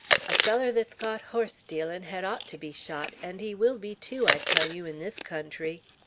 A feller that's caught horse stealin' had ought to be shot; and he will be, too, I tell you, in this country!"